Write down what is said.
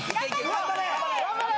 頑張れ！